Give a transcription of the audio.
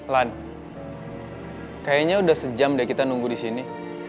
lan kayaknya udah sejam deh kita nunggu disini